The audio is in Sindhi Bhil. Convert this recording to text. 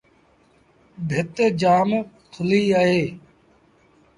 ڀت جآم ٿُليٚ اهي۔